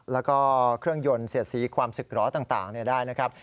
แล้วก็เครื่องยนต์เสียดสีความศึกร้อนต่างได้นะครับ